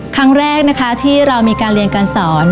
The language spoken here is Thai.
ครั้งแรกนะคะที่เรามีการเรียนการสอน